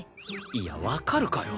いやわかるかよ。